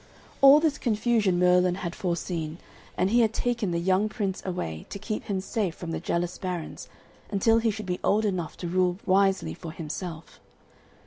All this confusion Merlin had foreseen, and he had taken the young prince away, to keep him safe from the jealous barons until he should be old enough to rule wisely for himself.